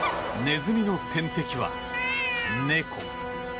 ネズミの天敵は猫。